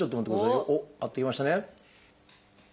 おっ合ってきましたね。